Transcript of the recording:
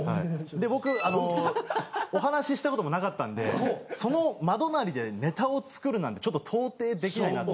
で僕お話したこともなかったんでその真隣でネタを作るなんてちょっと到底できないなって。